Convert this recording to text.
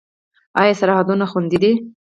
آیا سرحدونه خوندي دي؟